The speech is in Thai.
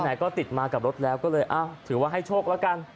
แต่ก็ติดมากับรถแล้วก็เลยอ้าวถือว่าให้โชคแล้วกัน